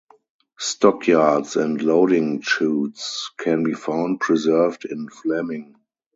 Stockyards and loading chutes can be found preserved in Fleming.